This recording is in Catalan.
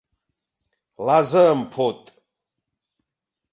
L'ase em fot!